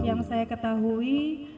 yang saya ketahui